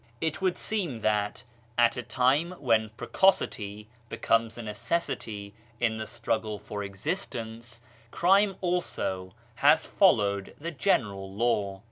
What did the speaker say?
It would seem that, at a time when precocity becomes a necessity in the struggle for existence, crime also has followed the general law.